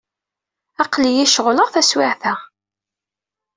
Aql-iyi ceɣleɣ taswiɛt-a.